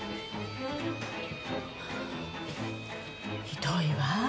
ひどいわ。